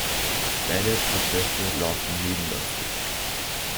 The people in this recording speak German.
Beide Prozesse laufen nebenläufig.